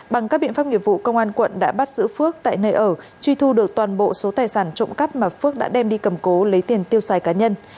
bằng các biện pháp nghiệp vụ công an quận đã bắt giữ phước tại nơi ở truy thu được toàn bộ số tài sản trộm cắp mà phước đã đem đi cầm cố lấy tiền tiêu xài cá nhân